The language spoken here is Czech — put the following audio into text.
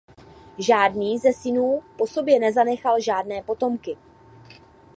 Žádný ze synů po sobě nezanechal žádné potomky.